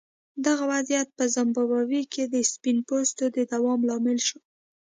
دغه وضعیت په زیمبابوې کې د سپین پوستو د دوام لامل شو.